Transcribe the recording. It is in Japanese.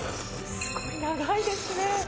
すごい長いですね。